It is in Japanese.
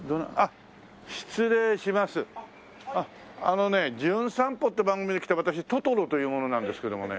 あのね『じゅん散歩』って番組で来た私トトロという者なんですけどもね。